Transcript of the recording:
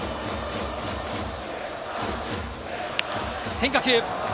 変化球。